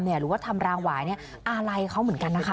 หรือว่าธรรมาวายในอาลายเขาเหมือนกันนะคะ